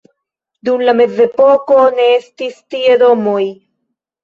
Dum la mezepoko ne estis tie domoj.